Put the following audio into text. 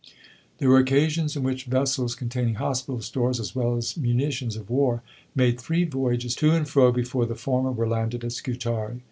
There were occasions in which vessels containing hospital stores, as well as munitions of war, made three voyages to and fro before the former were landed at Scutari.